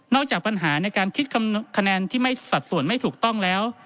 จากปัญหาในการคิดคะแนนที่ไม่สัดส่วนไม่ถูกต้องแล้ว